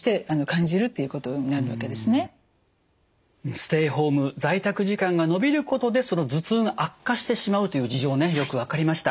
ステイホーム在宅時間が延びることで頭痛が悪化してしまうという事情ねよく分かりました。